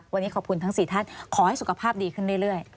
วันนี้ขอบคุณทั้ง๔ท่านขอให้สุขภาพดีขึ้นเรื่อย